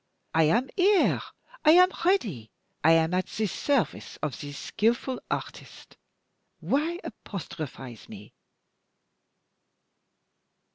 I am here, I am ready, I am at the service of this skillful artist. Why apostrophize me?"